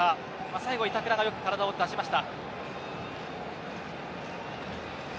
最後板倉がよく体を出しました。